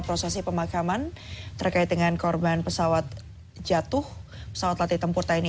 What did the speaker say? prosesi pemakaman terkait dengan korban pesawat jatuh pesawat latih tempur tni